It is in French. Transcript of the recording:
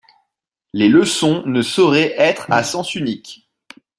Les leçons ne sauraient être à sens unique.